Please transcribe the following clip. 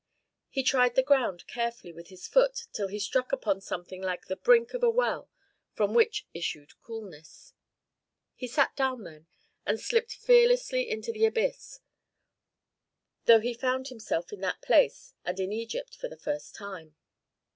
He tried the ground carefully with his foot till he struck upon something like the brink of a well from which issued coolness. He sat down then and slipped fearlessly into the abyss, though he found himself in that place and in Egypt for the first time.